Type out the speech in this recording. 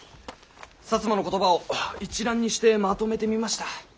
摩の言葉を一覧にしてまとめてみました。